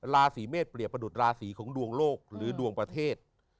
ราศีเมษเปรียบประดุษราศีของดวงโลกหรือดวงประเทศ